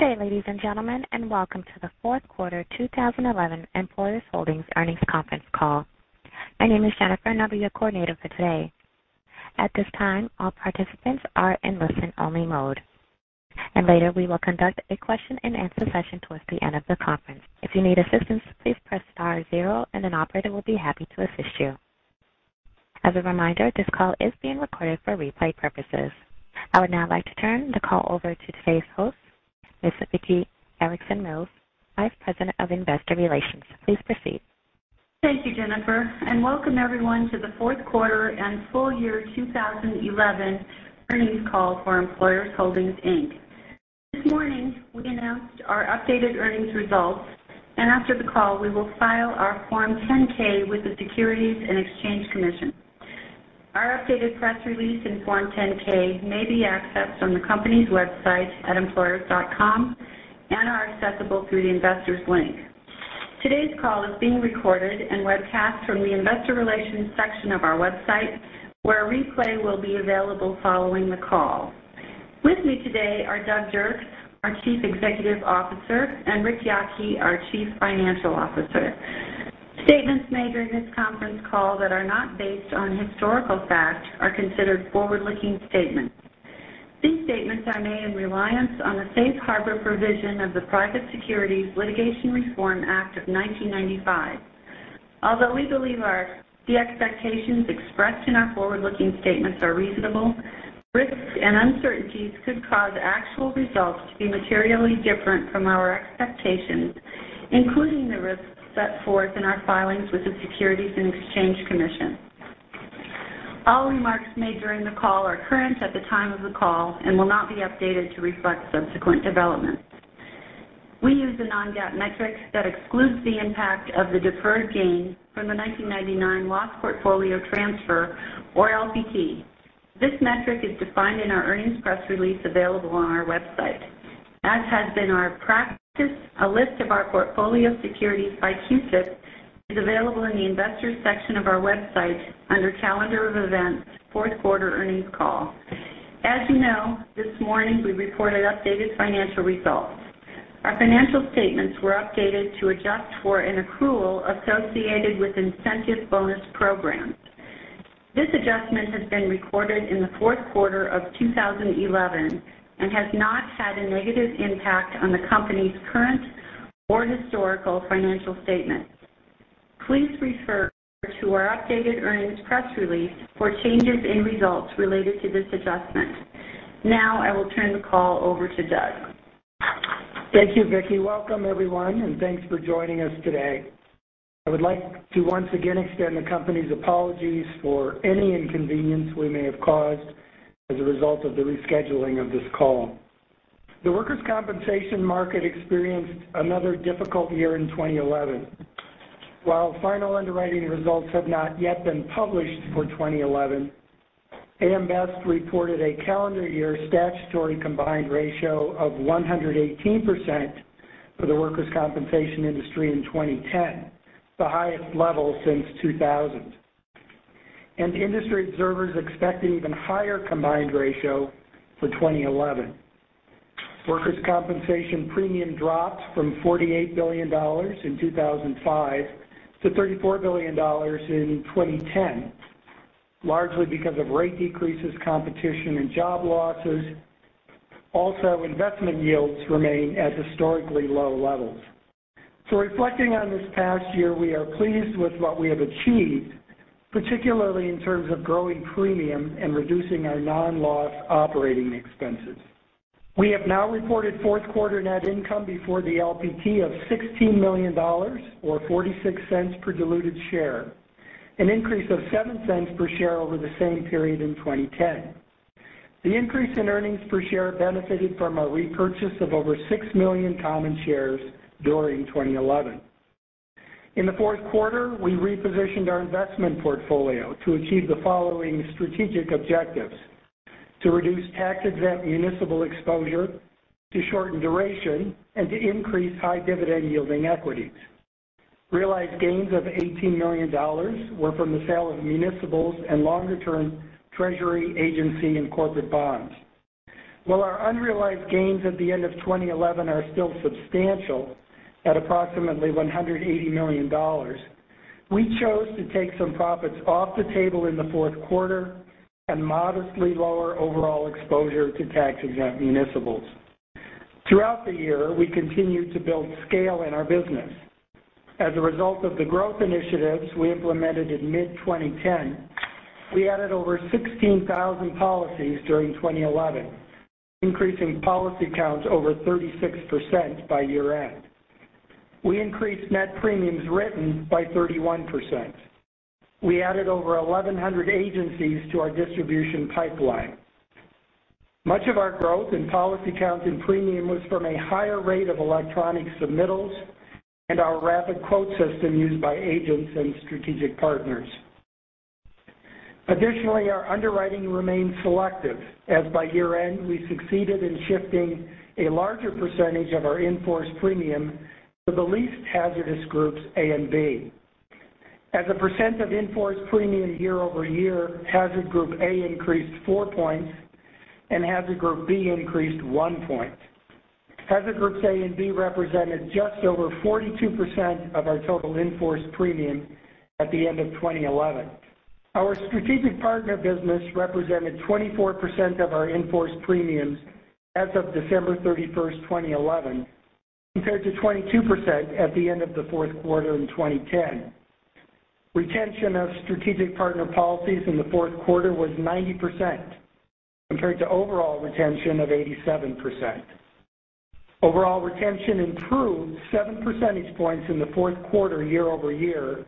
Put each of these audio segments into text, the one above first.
Good day, ladies and gentlemen. Welcome to the fourth quarter 2011 Employers Holdings earnings conference call. My name is Jennifer and I'll be your coordinator for today. At this time, all participants are in listen-only mode. Later we will conduct a question and answer session towards the end of the conference. If you need assistance, please press star zero and an operator will be happy to assist you. As a reminder, this call is being recorded for replay purposes. I would now like to turn the call over to today's host, Ms. Vicki Erickson, Vice President of Investor Relations. Please proceed. Thank you, Jennifer. Welcome everyone to the fourth quarter and full year 2011 earnings call for Employers Holdings, Inc. This morning, we announced our updated earnings results. After the call, we will file our Form 10-K with the Securities and Exchange Commission. Our updated press release and Form 10-K may be accessed on the company's website at employers.com and are accessible through the investors link. Today's call is being recorded and webcast from the investor relations section of our website, where a replay will be available following the call. With me today are Doug Dirks, our Chief Executive Officer, and Ric Yocke, our Chief Financial Officer. Statements made during this conference call that are not based on historical fact are considered forward-looking statements. These statements are made in reliance on the safe harbor provision of the Private Securities Litigation Reform Act of 1995. Although we believe the expectations expressed in our forward-looking statements are reasonable, risks and uncertainties could cause actual results to be materially different from our expectations, including the risks set forth in our filings with the Securities and Exchange Commission. All remarks made during the call are current at the time of the call and will not be updated to reflect subsequent developments. We use a non-GAAP metric that excludes the impact of the deferred gain from the 1999 Loss Portfolio Transfer, or LPT. This metric is defined in our earnings press release available on our website. As has been our practice, a list of our portfolio securities by CUSIP is available in the investors section of our website under Calendar of Events, Fourth Quarter Earnings Call. As you know, this morning, we reported updated financial results. Our financial statements were updated to adjust for an accrual associated with incentive bonus programs. This adjustment has been recorded in the fourth quarter of 2011 and has not had a negative impact on the company's current or historical financial statements. I will turn the call over to Doug. Thank you, Vicki. Welcome everyone, and thanks for joining us today. I would like to once again extend the company's apologies for any inconvenience we may have caused as a result of the rescheduling of this call. The workers' compensation market experienced another difficult year in 2011. While final underwriting results have not yet been published for 2011, AM Best reported a calendar year statutory combined ratio of 118% for the workers' compensation industry in 2010, the highest level since 2000. Industry observers expect an even higher combined ratio for 2011. Workers' compensation premium dropped from $48 billion in 2005 to $34 billion in 2010, largely because of rate decreases, competition, and job losses. Investment yields remain at historically low levels. Reflecting on this past year, we are pleased with what we have achieved, particularly in terms of growing premium and reducing our non-loss operating expenses. We have now reported fourth quarter net income before the LPT of $16 million, or $0.46 per diluted share, an increase of $0.07 per share over the same period in 2010. The increase in earnings per share benefited from a repurchase of over six million common shares during 2011. In the fourth quarter, we repositioned our investment portfolio to achieve the following strategic objectives: to reduce tax-exempt municipal exposure, to shorten duration, and to increase high dividend-yielding equities. Realized gains of $18 million were from the sale of municipals and longer-term Treasury, agency, and corporate bonds. While our unrealized gains at the end of 2011 are still substantial at approximately $180 million, we chose to take some profits off the table in the fourth quarter and modestly lower overall exposure to tax-exempt municipals. Throughout the year, we continued to build scale in our business. As a result of the growth initiatives we implemented in mid-2010, we added over 16,000 policies during 2011, increasing policy counts over 36% by year-end. We increased net premiums written by 31%. We added over 1,100 agencies to our distribution pipeline. Much of our growth in policy counts and premium was from a higher rate of electronic submittals and our rapid quote system used by agents and strategic partners. Additionally, our underwriting remained selective as by year-end, we succeeded in shifting a larger percentage of our in-force premium to the least hazardous groups A and B. As a percent of in-force premium year-over-year, hazard group A increased four points and hazard group B increased one point. Hazard groups A and B represented just over 42% of our total in-force premium at the end of 2011. Our strategic partner business represented 24% of our in-force premiums as of December 31st, 2011, compared to 22% at the end of the fourth quarter in 2010. Retention of strategic partner policies in the fourth quarter was 90%, compared to overall retention of 87%. Overall retention improved seven percentage points in the fourth quarter year-over-year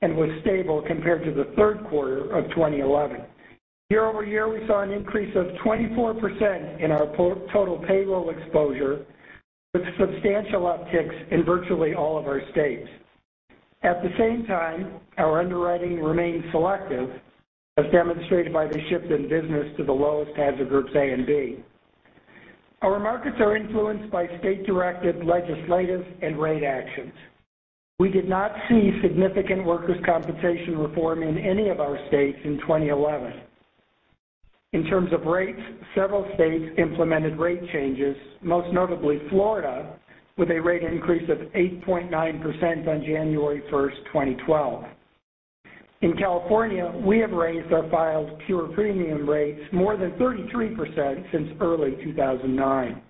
and was stable compared to the third quarter of 2011. Year-over-year, we saw an increase of 24% in our total payroll exposure, with substantial upticks in virtually all of our states. At the same time, our underwriting remained selective, as demonstrated by the shift in business to the lowest hazard groups A and B. Our markets are influenced by state-directed legislative and rate actions. We did not see significant workers' compensation reform in any of our states in 2011. In terms of rates, several states implemented rate changes, most notably Florida, with a rate increase of 8.9% on January 1st, 2012. In California, we have raised our filed pure premium rates more than 33% since early 2009.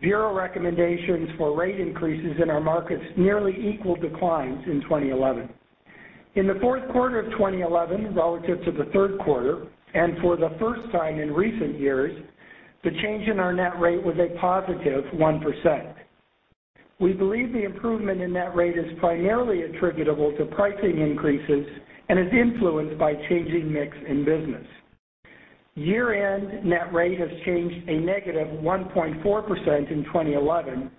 Bureau recommendations for rate increases in our markets nearly equaled declines in 2011. In the fourth quarter of 2011, relative to the third quarter, and for the first time in recent years, the change in our net rate was a positive 1%. We believe the improvement in net rate is primarily attributable to pricing increases and is influenced by changing mix in business. Year-end net rate has changed a negative 1.4% in 2011,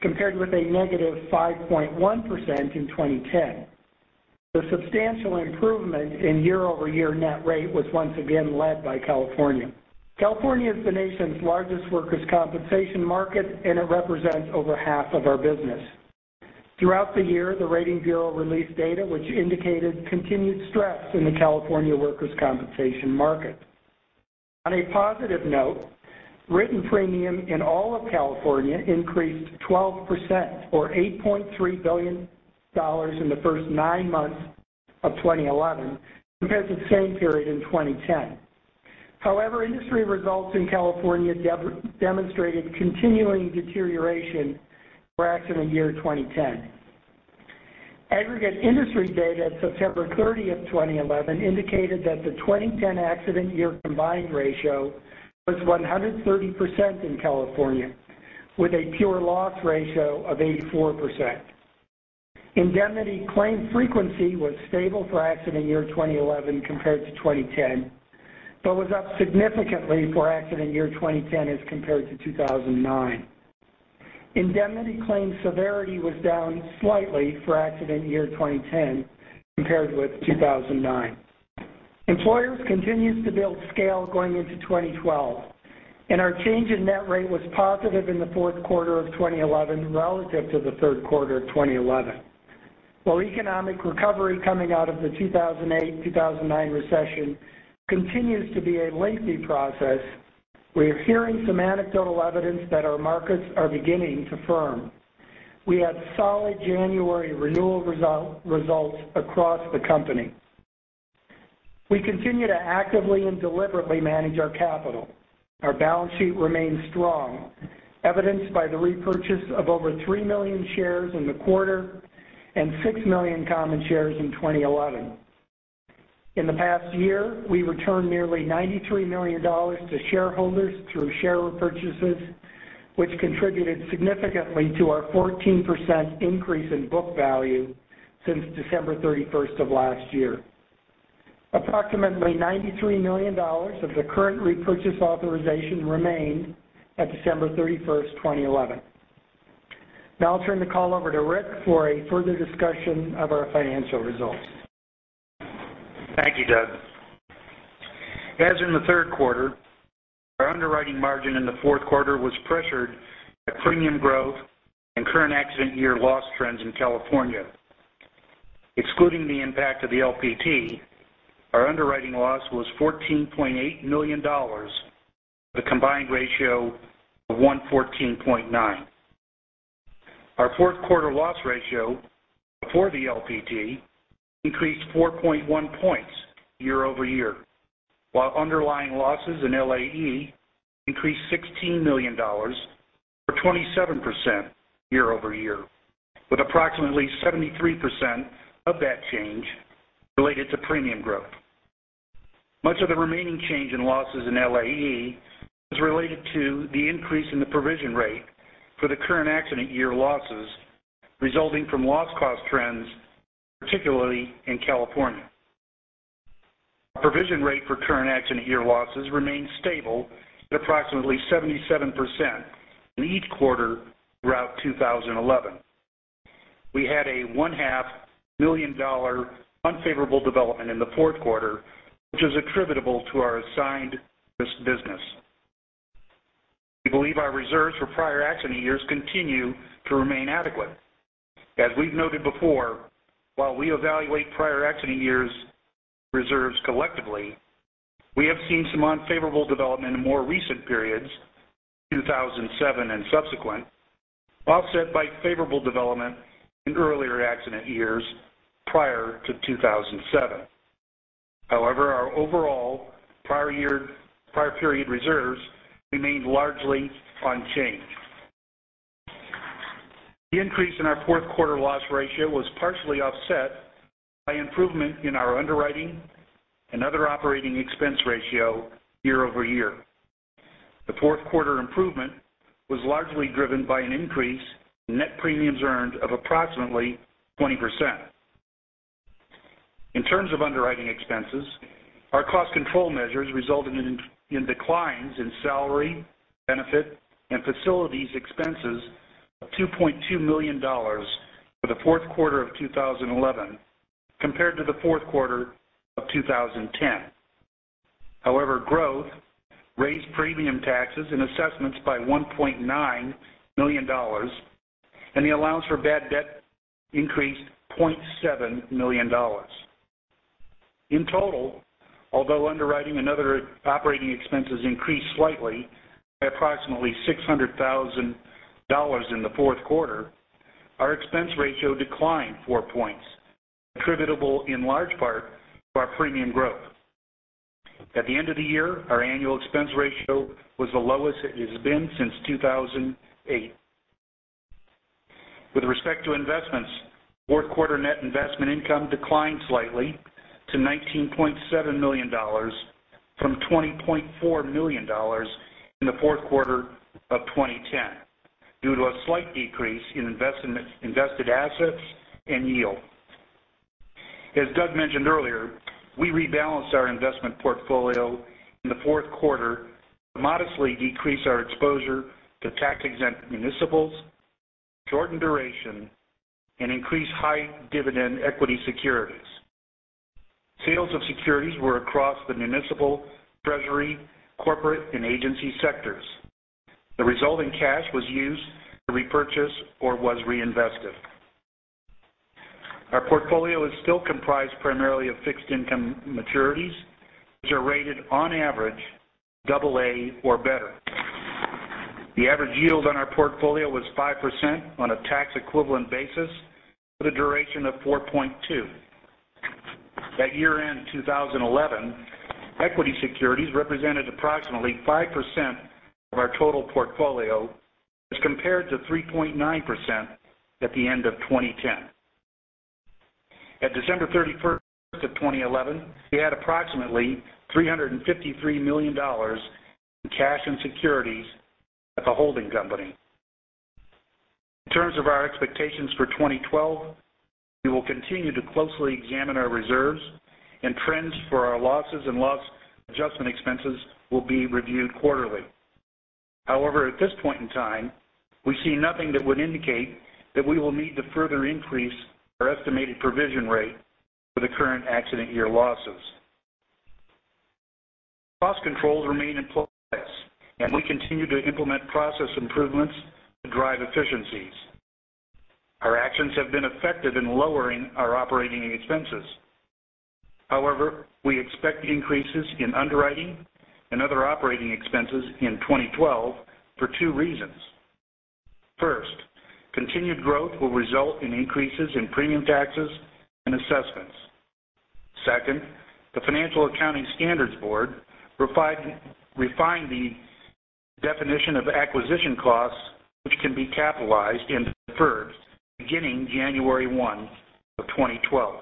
compared with a negative 5.1% in 2010. The substantial improvement in year-over-year net rate was once again led by California. California is the nation's largest workers' compensation market, and it represents over half of our business. Throughout the year, the Rating Bureau released data which indicated continued stress in the California workers' compensation market. On a positive note, written premium in all of California increased 12%, or $8.3 billion in the first nine months of 2011 compared to the same period in 2010. Industry results in California demonstrated continuing deterioration for accident year 2010. Aggregate industry data as of September 30th, 2011, indicated that the 2010 accident year combined ratio was 130% in California with a pure loss ratio of 84%. Indemnity claim frequency was stable for accident year 2011 compared to 2010, but was up significantly for accident year 2010 as compared to 2009. Indemnity claim severity was down slightly for accident year 2010 compared with 2009. Employers continues to build scale going into 2012, our change in net rate was positive in the fourth quarter of 2011 relative to the third quarter of 2011. Economic recovery coming out of the 2008-2009 recession continues to be a lengthy process, we are hearing some anecdotal evidence that our markets are beginning to firm. We had solid January renewal results across the company. We continue to actively and deliberately manage our capital. Our balance sheet remains strong, evidenced by the repurchase of over 3 million shares in the quarter and 6 million common shares in 2011. In the past year, we returned nearly $93 million to shareholders through share repurchases, which contributed significantly to our 14% increase in book value since December 31st of last year. Approximately $93 million of the current repurchase authorization remained at December 31st, 2011. Now I'll turn the call over to Ric for a further discussion of our financial results. Thank you, Doug. As in the third quarter, our underwriting margin in the fourth quarter was pressured by premium growth and current accident year loss trends in California. Excluding the impact of the LPT, our underwriting loss was $14.8 million, with a combined ratio of 114.9. Our fourth quarter loss ratio before the LPT increased 4.1 points year-over-year, while underlying losses in LAE increased $16 million or 27% year-over-year, with approximately 73% of that change related to premium growth. Much of the remaining change in losses in LAE is related to the increase in the provision rate for the current accident year losses resulting from loss cost trends, particularly in California. Our provision rate for current accident year losses remained stable at approximately 77% in each quarter throughout 2011. We had a $500,000 unfavorable development in the fourth quarter, which is attributable to our assigned business. We believe our reserves for prior accident years continue to remain adequate. As we've noted before, while we evaluate prior accident years' reserves collectively, we have seen some unfavorable development in more recent periods, 2007 and subsequent, offset by favorable development in earlier accident years prior to 2007. Our overall prior period reserves remained largely unchanged. The increase in our fourth quarter loss ratio was partially offset by improvement in our underwriting and other operating expense ratio year-over-year. The fourth quarter improvement was largely driven by an increase in net premiums earned of approximately 20%. In terms of underwriting expenses, our cost control measures resulted in declines in salary, benefit, and facilities expenses of $2.2 million for the fourth quarter of 2011 compared to the fourth quarter of 2010. Growth raised premium taxes and assessments by $1.9 million, and the allowance for bad debt increased $0.7 million. In total, although underwriting and other operating expenses increased slightly by approximately $600,000 in the fourth quarter, our expense ratio declined four points, attributable in large part to our premium growth. At the end of the year, our annual expense ratio was the lowest it has been since 2008. With respect to investments, fourth quarter net investment income declined slightly to $19.7 million from $20.4 million in the fourth quarter of 2010 due to a slight decrease in invested assets and yield. As Doug mentioned earlier, we rebalanced our investment portfolio in the fourth quarter to modestly decrease our exposure to tax-exempt municipals, shorten duration, and increase high-dividend equity securities. Sales of securities were across the municipal, treasury, corporate, and agency sectors. The resulting cash was used to repurchase or was reinvested. Our portfolio is still comprised primarily of fixed income maturities, which are rated on average double A or better. The average yield on our portfolio was 5% on a tax-equivalent basis with a duration of 4.2. At year-end 2011, equity securities represented approximately 5% of our total portfolio as compared to 3.9% at the end of 2010. At December 31st of 2011, we had approximately $353 million in cash and securities at the holding company. In terms of our expectations for 2012, we will continue to closely examine our reserves, and trends for our losses and loss adjustment expenses will be reviewed quarterly. At this point in time, we see nothing that would indicate that we will need to further increase our estimated provision rate for the current accident year losses. Cost controls remain in place, and we continue to implement process improvements to drive efficiencies. Our actions have been effective in lowering our operating expenses. However, we expect increases in underwriting and other operating expenses in 2012 for two reasons. First, continued growth will result in increases in premium taxes and assessments. Second, the Financial Accounting Standards Board refined the definition of acquisition costs, which can be capitalized and deferred beginning January 1st, 2012.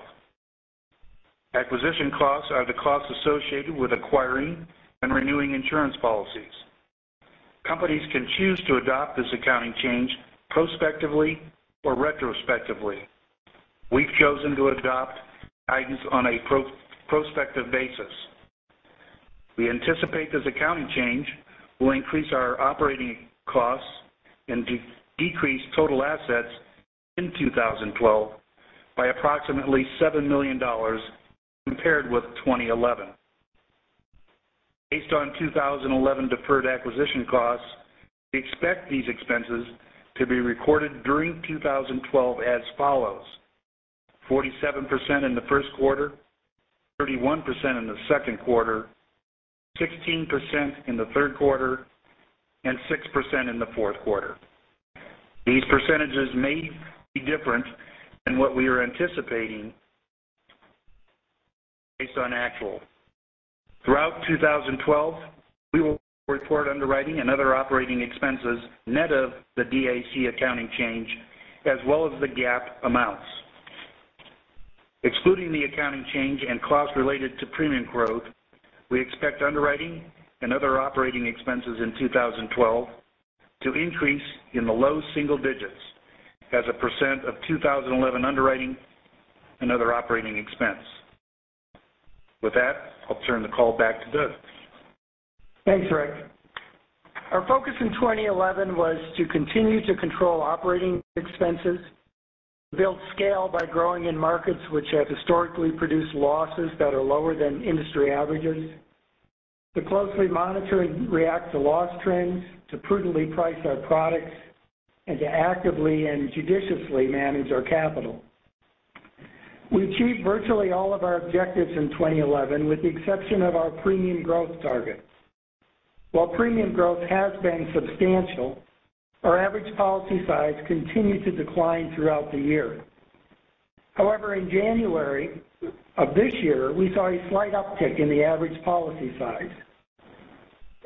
Acquisition costs are the costs associated with acquiring and renewing insurance policies. Companies can choose to adopt this accounting change prospectively or retrospectively. We've chosen to adopt guidance on a prospective basis. We anticipate this accounting change will increase our operating costs and decrease total assets in 2012 by approximately $7 million compared with 2011. Based on 2011 deferred acquisition costs, we expect these expenses to be recorded during 2012 as follows: 47% in the first quarter, 31% in the second quarter, 16% in the third quarter, and 6% in the fourth quarter. These percentages may be different than what we are anticipating based on actual. Throughout 2012, we will report underwriting and other operating expenses net of the DAC accounting change as well as the GAAP amounts. Excluding the accounting change and costs related to premium growth, we expect underwriting and other operating expenses in 2012 to increase in the low single digits as a percent of 2011 underwriting and other operating expense. With that, I'll turn the call back to Doug. Thanks, Rick. Our focus in 2011 was to continue to control operating expenses, build scale by growing in markets which have historically produced losses that are lower than industry averages, to closely monitor and react to loss trends, to prudently price our products, and to actively and judiciously manage our capital. We achieved virtually all of our objectives in 2011, with the exception of our premium growth targets. While premium growth has been substantial, our average policy size continued to decline throughout the year. However, in January of this year, we saw a slight uptick in the average policy size,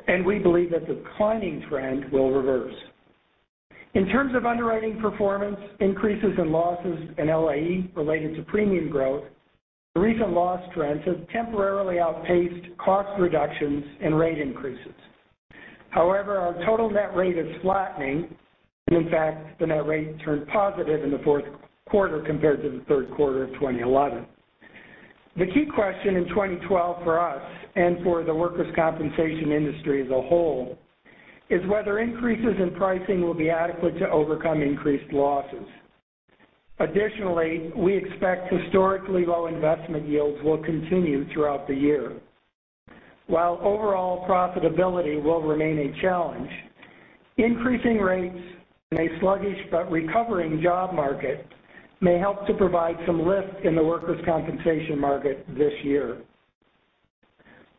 and we believe that the declining trend will reverse. In terms of underwriting performance, increases in losses and LAE related to premium growth, the recent loss trends have temporarily outpaced cost reductions and rate increases. However, our total net rate is flattening, and in fact, the net rate turned positive in the fourth quarter compared to the third quarter of 2011. The key question in 2012 for us, and for the workers' compensation industry as a whole, is whether increases in pricing will be adequate to overcome increased losses. Additionally, we expect historically low investment yields will continue throughout the year. While overall profitability will remain a challenge, increasing rates in a sluggish but recovering job market may help to provide some lift in the workers' compensation market this year.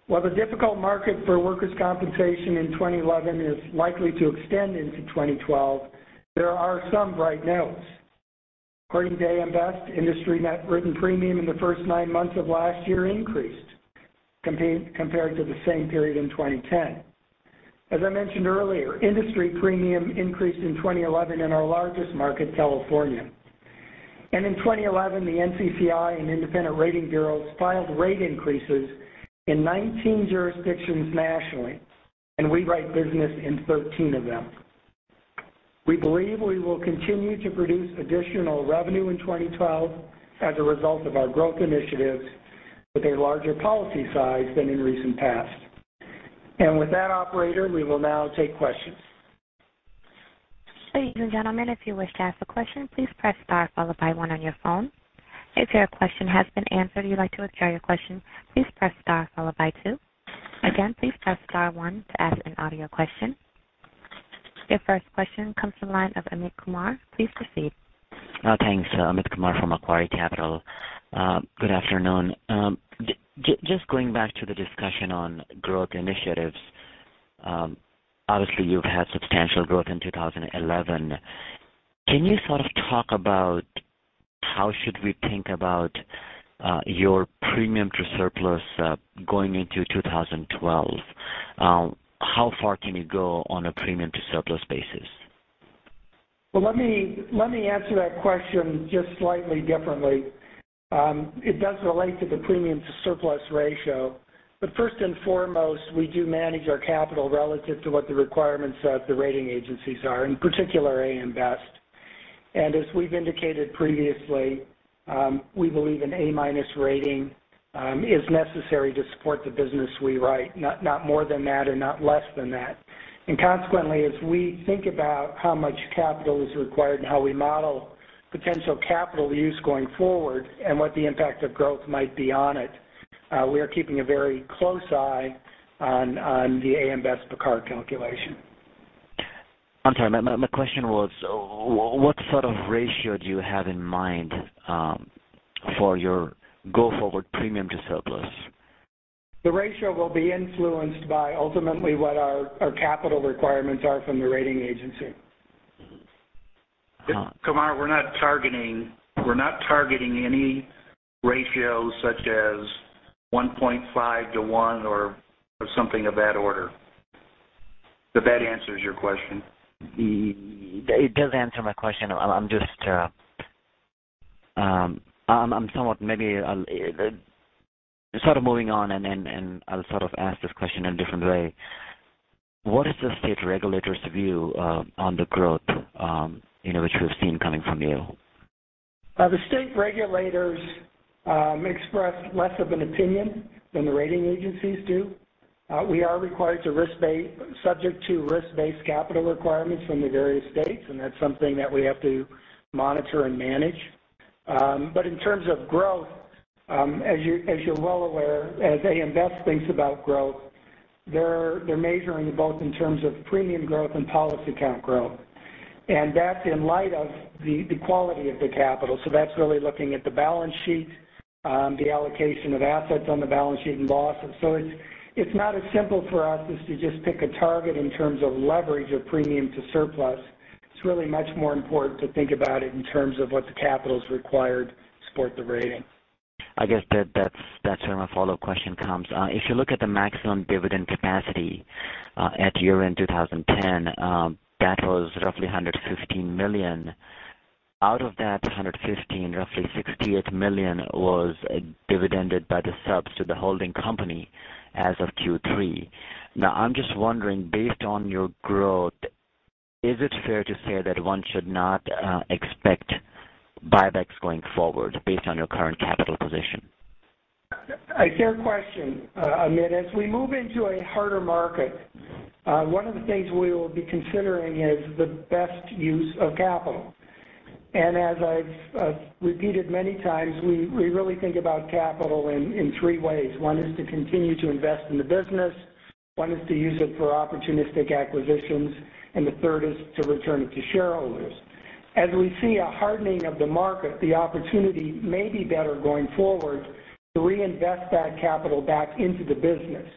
While the difficult market for workers' compensation in 2011 is likely to extend into 2012, there are some bright notes. According to AM Best, industry net written premium in the first nine months of last year increased compared to the same period in 2010. As I mentioned earlier, industry premium increased in 2011 in our largest market, California. In 2011, the NCCI and Independent Rating Bureaus filed rate increases in 19 jurisdictions nationally, and we write business in 13 of them. We believe we will continue to produce additional revenue in 2012 as a result of our growth initiatives with a larger policy size than in recent past. With that, operator, we will now take questions. Ladies and gentlemen, if you wish to ask a question, please press star followed by 1 on your phone. If your question has been answered or you'd like to withdraw your question, please press star followed by 2. Again, please press star 1 to ask an audio question. Your first question comes from the line of Amit Kumar. Please proceed. Thanks. Amit Kumar from Macquarie Capital. Good afternoon. Just going back to the discussion on growth initiatives. Obviously, you've had substantial growth in 2011. Can you sort of talk about how should we think about your premium to surplus going into 2012? How far can you go on a premium to surplus basis? Well, let me answer that question just slightly differently. It does relate to the premium to surplus ratio. First and foremost, we do manage our capital relative to what the requirements of the rating agencies are, in particular, AM Best. As we've indicated previously, we believe an A-minus rating is necessary to support the business we write, not more than that or not less than that. Consequently, as we think about how much capital is required and how we model potential capital use going forward and what the impact of growth might be on it, we are keeping a very close eye on the AM Best BCAR calculation. I'm sorry, my question was, what sort of ratio do you have in mind for your go-forward premium to surplus? The ratio will be influenced by ultimately what our capital requirements are from the rating agency. Kumar, we're not targeting any ratio such as 1.5 to 1 or something of that order. If that answers your question. It does answer my question. I'm somewhat maybe sort of moving on, and then, I'll sort of ask this question in a different way. What is the state regulators' view on the growth which we've seen coming from you? The state regulators express less of an opinion than the rating agencies do. We are required to subject to risk-based capital requirements from the various states, and that's something that we have to monitor and manage. In terms of growth, as you're well aware, as AM Best thinks about growth, they're measuring both in terms of premium growth and policy count growth. That's in light of the quality of the capital. That's really looking at the balance sheet, the allocation of assets on the balance sheet, and losses. It's not as simple for us as to just pick a target in terms of leverage of premium to surplus. It's really much more important to think about it in terms of what the capital is required to support the rating. I guess that's where my follow-up question comes. If you look at the maximum dividend capacity at year-end 2010, that was roughly $115 million. Out of that 115, roughly $68 million was dividended by the subs to the holding company as of Q3. I'm just wondering, based on your growth, is it fair to say that one should not expect buybacks going forward based on your current capital position? A fair question, Amit. As we move into a harder market, one of the things we will be considering is the best use of capital. As I've repeated many times, we really think about capital in three ways. One is to continue to invest in the business, one is to use it for opportunistic acquisitions, and the third is to return it to shareholders. As we see a hardening of the market, the opportunity may be better going forward to reinvest that capital back into the business.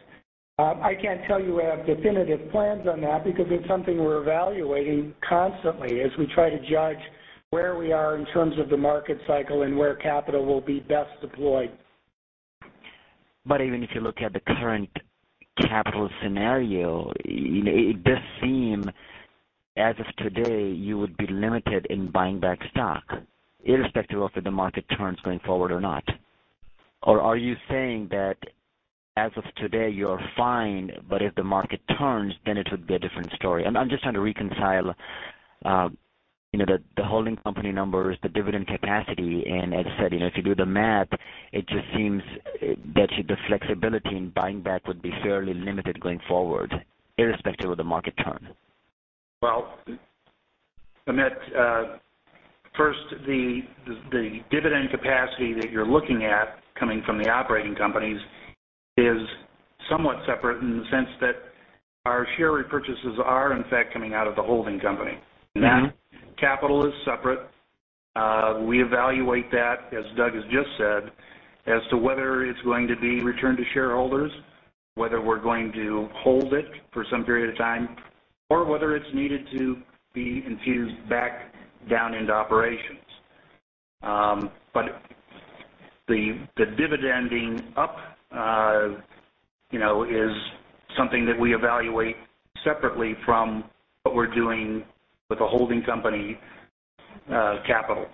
I can't tell you we have definitive plans on that because it's something we're evaluating constantly as we try to judge where we are in terms of the market cycle and where capital will be best deployed. Even if you look at the current capital scenario, it does seem, as of today, you would be limited in buying back stock irrespective of if the market turns going forward or not. Are you saying that as of today, you're fine, but if the market turns, then it would be a different story? I'm just trying to reconcile the holding company numbers, the dividend capacity. As I said, if you do the math, it just seems that the flexibility in buying back would be fairly limited going forward, irrespective of the market turn. Well, Amit, first, the dividend capacity that you're looking at coming from the operating companies is somewhat separate in the sense that our share repurchases are in fact, coming out of the holding company. That capital is separate. We evaluate that, as Doug has just said, as to whether it's going to be returned to shareholders, whether we're going to hold it for some period of time, or whether it's needed to be infused back down into operations. The dividend being up is something that we evaluate separately from what we're doing with the holding company capital.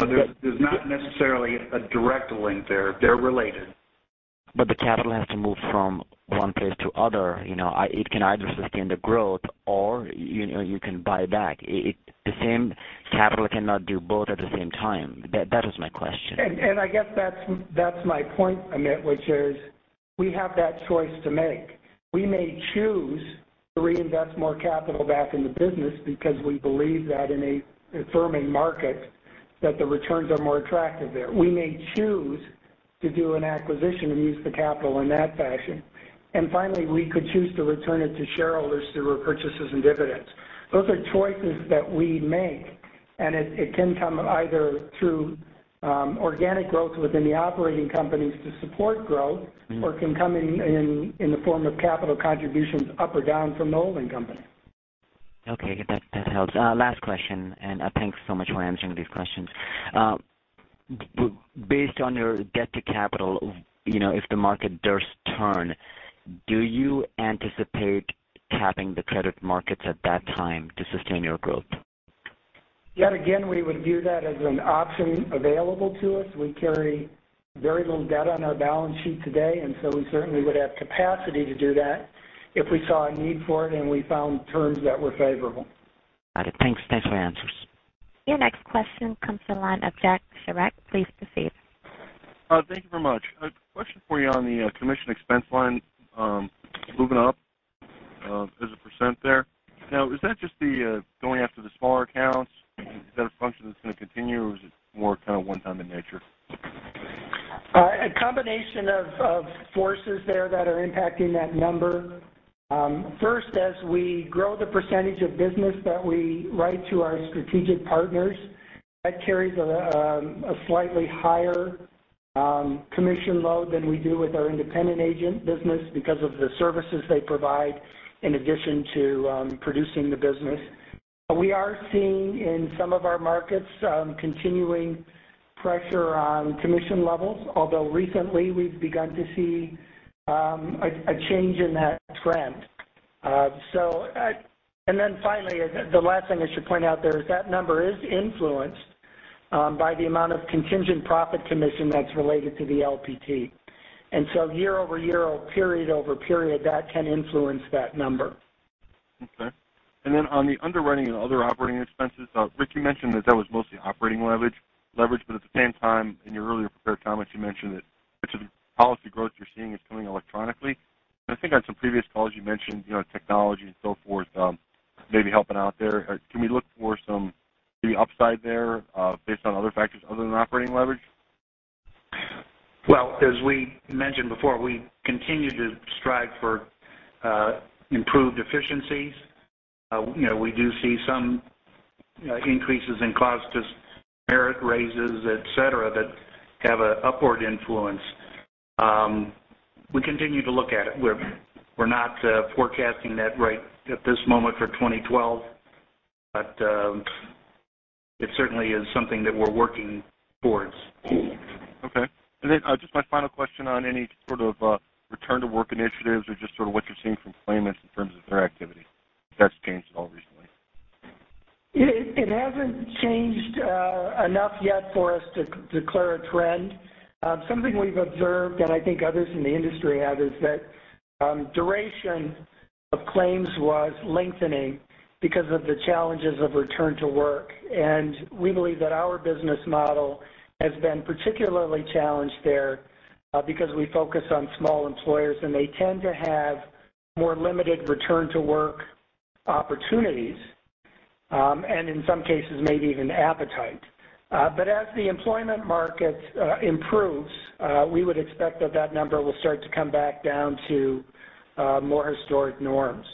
There's not necessarily a direct link there. They're related. The capital has to move from one place to other. It can either sustain the growth or you can buy back. The same capital cannot do both at the same time. That was my question. I guess that's my point, Amit, which is, we have that choice to make. We may choose to reinvest more capital back in the business because we believe that in a firming market, that the returns are more attractive there. We may choose to do an acquisition and use the capital in that fashion. Finally, we could choose to return it to shareholders through repurchases and dividends. Those are choices that we make, and it can come either through organic growth within the operating companies to support growth- It can come in the form of capital contributions up or down from the holding company. Okay. That helps. Last question, thanks so much for answering these questions. Based on your debt to capital, if the market does turn, do you anticipate tapping the credit markets at that time to sustain your growth? Yet again, we would view that as an option available to us. We carry very little debt on our balance sheet today, we certainly would have capacity to do that if we saw a need for it and we found terms that were favorable. Got it. Thanks for the answers. Your next question comes from the line of Jack Schreck. Please proceed. Thank you very much. A question for you on the commission expense line moving up as a % there. Is that just the going after the smaller accounts? Is that a function that's going to continue, or is it more kind of one-time in nature? A combination of forces there that are impacting that number. First, as we grow the % of business that we write to our strategic partners, that carries a slightly higher commission load than we do with our independent agent business because of the services they provide in addition to producing the business. We are seeing in some of our markets, continuing pressure on commission levels, although recently we've begun to see a change in that trend. Finally, the last thing I should point out there is that number is influenced by the amount of contingent profit commission that's related to the LPT. So year-over-year or period-over-period, that can influence that number. Okay. On the underwriting and other operating expenses, Ric, you mentioned that that was mostly operating leverage, at the same time, in your earlier prepared comments, you mentioned that much of the policy growth you're seeing is coming electronically. I think on some previous calls you mentioned technology and so forth maybe helping out there. Can we look for some maybe upside there based on other factors other than operating leverage? Well, as we mentioned before, we continue to strive for improved efficiencies. We do see some increases in cost as merit raises, et cetera, that have a upward influence. We continue to look at it. We're not forecasting that right at this moment for 2012, but it certainly is something that we're working towards. Okay. Just my final question on any sort of return-to-work initiatives or just sort of what you're seeing from claimants in terms of their activity, if that's changed at all recently. It hasn't changed enough yet for us to declare a trend. Something we've observed, and I think others in the industry have, is that duration Claims was lengthening because of the challenges of return to work. We believe that our business model has been particularly challenged there, because we focus on small employers, and they tend to have more limited return-to-work opportunities, and in some cases, maybe even appetite. As the employment market improves, we would expect that number will start to come back down to more historic norms.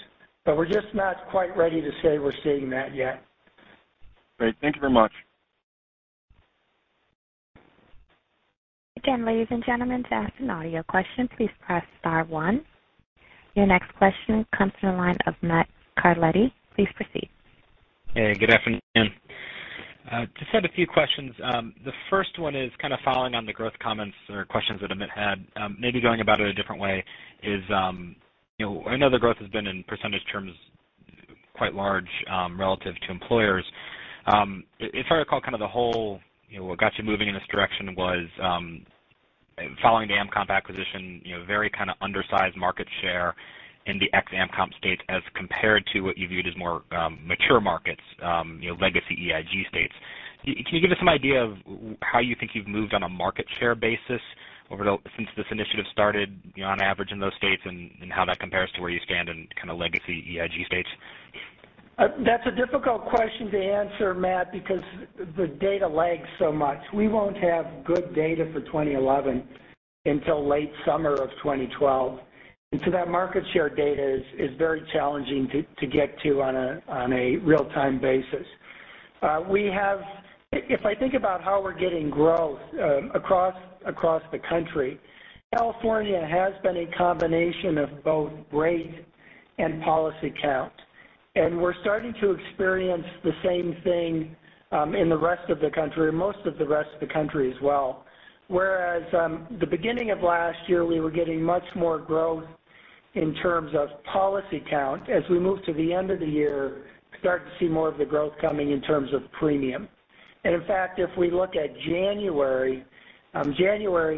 We're just not quite ready to say we're seeing that yet. Great. Thank you very much. Again, ladies and gentlemen, to ask an audio question, please press star one. Your next question comes from the line of Matthew Carletti. Please proceed. Hey, good afternoon. Just had a few questions. The first one is kind of following on the growth comments or questions that Amit had. Maybe going about it a different way is, I know the growth has been, in percentage terms, quite large, relative to Employers. If I recall, kind of the whole, what got you moving in this direction was following the AmCOMP acquisition, very kind of undersized market share in the ex-AmCOMP states as compared to what you viewed as more mature markets, legacy EIG states. Can you give us some idea of how you think you've moved on a market share basis since this initiative started on average in those states, and how that compares to where you stand in kind of legacy EIG states? That's a difficult question to answer, Matt, because the data lags so much. We won't have good data for 2011 until late summer of 2012, that market share data is very challenging to get to on a real-time basis. If I think about how we're getting growth across the country, California has been a combination of both rate and policy count. We're starting to experience the same thing in the rest of the country, most of the rest of the country as well, whereas the beginning of last year, we were getting much more growth in terms of policy count. As we move to the end of the year, start to see more of the growth coming in terms of premium. In fact, if we look at January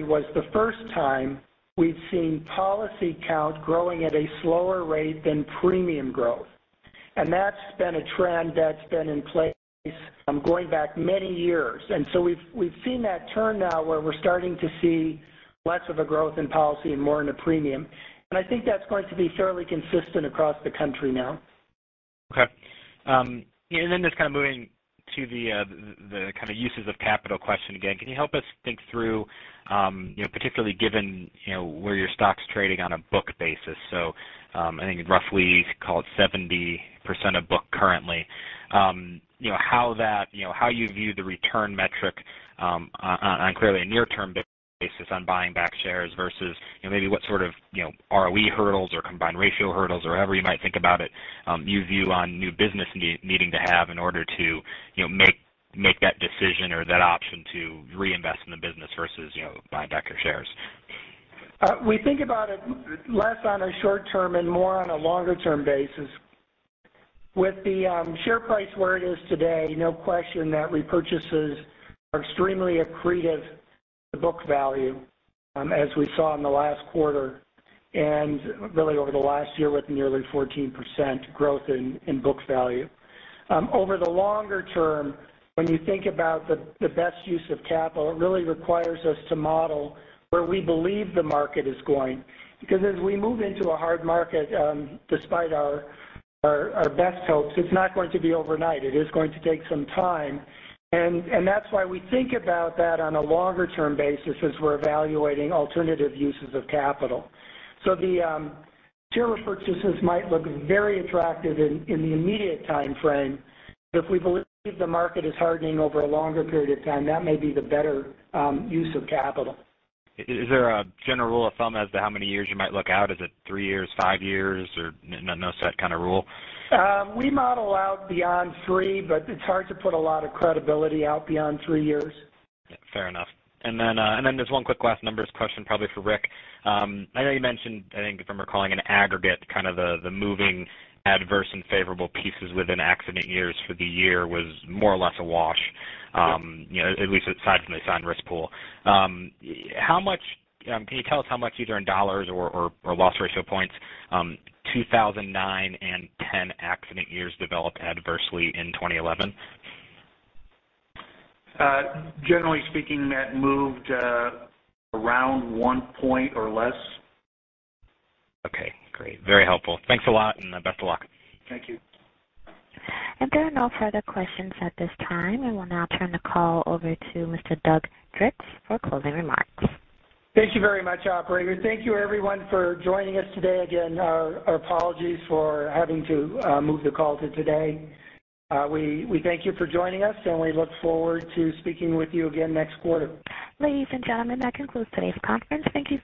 was the first time we've seen policy count growing at a slower rate than premium growth. That's been a trend that's been in place going back many years. We've seen that turn now where we're starting to see less of a growth in policy and more in the premium. I think that's going to be fairly consistent across the country now. Okay. Just kind of moving to the kind of uses of capital question again. Can you help us think through, particularly given where your stock's trading on a book basis, I think roughly call it 70% of book currently. How you view the return metric on clearly a near-term basis on buying back shares versus maybe what sort of ROE hurdles or combined ratio hurdles or however you might think about it, you view on new business needing to have in order to make that decision or that option to reinvest in the business versus buying back your shares. We think about it less on a short-term and more on a longer-term basis. With the share price where it is today, no question that repurchases are extremely accretive to book value as we saw in the last quarter and really over the last year with nearly 14% growth in book value. Over the longer term, when you think about the best use of capital, it really requires us to model where we believe the market is going. As we move into a hard market, despite our best hopes, it's not going to be overnight. It is going to take some time. That's why we think about that on a longer-term basis as we're evaluating alternative uses of capital. The share repurchases might look very attractive in the immediate timeframe, but if we believe the market is hardening over a longer period of time, that may be the better use of capital. Is there a general rule of thumb as to how many years you might look out? Is it three years, five years, or no set kind of rule? We model out beyond three, but it's hard to put a lot of credibility out beyond three years. Fair enough. Just one quick last numbers question probably for Rick. I know you mentioned, I think if I'm recalling an aggregate kind of the moving adverse and favorable pieces within accident years for the year was more or less a wash, at least aside from the assigned risk pool. Can you tell us how much either in dollars or loss ratio points 2009 and 2010 accident years developed adversely in 2011? Generally speaking, that moved around one point or less. Okay, great. Very helpful. Thanks a lot and best of luck. Thank you. There are no further questions at this time. I will now turn the call over to Mr. Douglas Dirks for closing remarks. Thank you very much, operator. Thank you everyone for joining us today. Again, our apologies for having to move the call to today. We thank you for joining us, and we look forward to speaking with you again next quarter. Ladies and gentlemen, that concludes today's conference. Thank you.